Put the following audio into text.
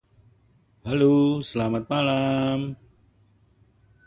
The scent made him drunk.